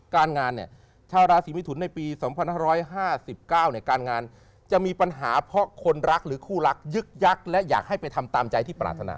การงานเนี่ยชาวราศีมิถุนในปี๒๕๕๙การงานจะมีปัญหาเพราะคนรักหรือคู่รักยึกยักษ์และอยากให้ไปทำตามใจที่ปรารถนา